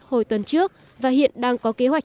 hồi tuần trước và hiện đang có kế hoạch